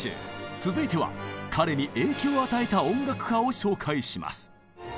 続いては彼に影響を与えた音楽家を紹介します。